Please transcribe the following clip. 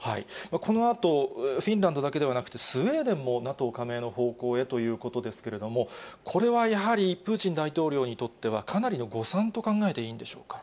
このあと、フィンランドだけではなくて、スウェーデンもＮＡＴＯ加盟の方向へということですけれども、これはやはり、プーチン大統領にとってはかなりの誤算と考えていいんでしょうか。